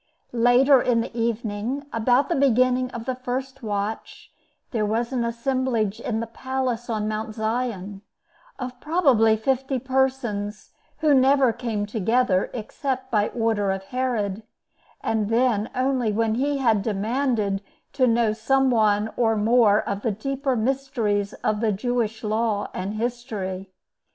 Later in the evening, about the beginning of the first watch, there was an assemblage in the palace on Mount Zion, of probably fifty persons, who never came together except by order of Herod, and then only when he had demanded to know some one or more of the deeper mysteries of the Jewish law and history.